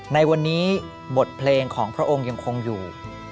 ในวันนี้บทเพลงของพระองค์ยังคงอยู่